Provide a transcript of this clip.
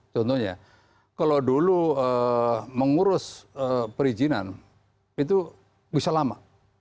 contohnya kalau dulu mengurus perizinan itu bisa lama